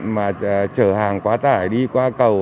mà chở hàng quá tải đi qua cầu